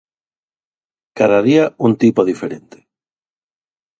Cada día, un tipo diferente".